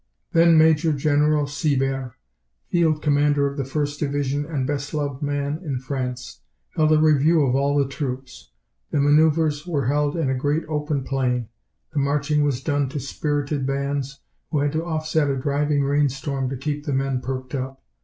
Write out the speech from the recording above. Then Major General Sibert, field commander of the First Division and best loved man in France, held a review of all the troops. The manœuvres were held in a great open plain. The marching was done to spirited bands, who had to offset a driving rain storm to keep the men perked up.